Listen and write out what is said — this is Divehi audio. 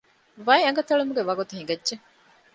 ވައި އަނގަތެޅުމުގެ ވަގުތު ހިނގައްޖެ